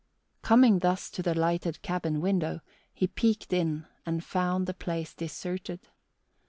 Coming thus to the lighted cabin window, he peeked in and found the place deserted.